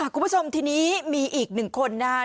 คุณผู้ชมทีนี้มีอีกหนึ่งคนนะครับ